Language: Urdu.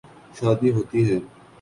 شادی ہوتی ہے۔